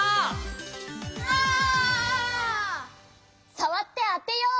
さわってあてよう！